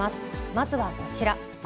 まずはこちら。